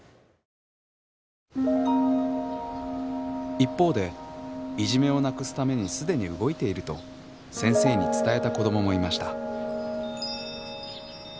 一方でいじめをなくすために既に動いていると先生に伝えた子どももいました。